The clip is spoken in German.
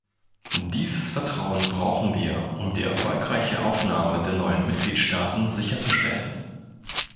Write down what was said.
Dieses Vertrauen brauchen wir, um die erfolgreiche Aufnahme der neuen Mitgliedstaaten sicherzustellen.